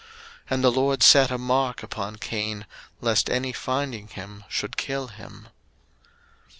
And the LORD set a mark upon Cain, lest any finding him should kill him.